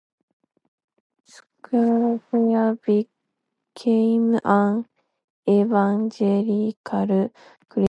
Schaeffer became an evangelical Christian as a teenager.